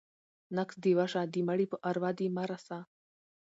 ـ نقص دې وشه ، د مړي په اروا دې مه رسه.